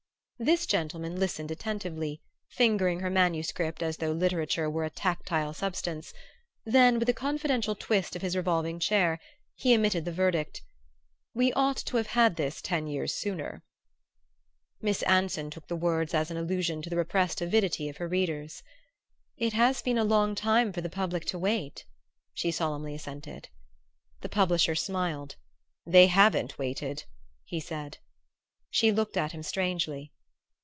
This gentleman listened attentively, fingering her manuscript as though literature were a tactile substance; then, with a confidential twist of his revolving chair, he emitted the verdict: "We ought to have had this ten years sooner." Miss Anson took the words as an allusion to the repressed avidity of her readers. "It has been a long time for the public to wait," she solemnly assented. The publisher smiled. "They haven't waited," he said. She looked at him strangely.